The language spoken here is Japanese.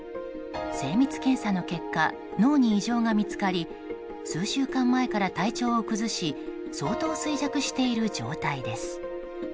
精密検査の結果脳に異常が見つかり数週間前から体調を崩し相当衰弱している状態です。